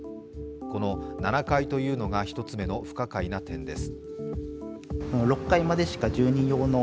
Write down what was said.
この７階というのが１つ目の不可解な点です。